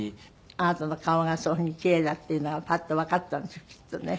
あなたの顔がそういうふうに奇麗だっていうのがパッとわかったんでしょきっとね。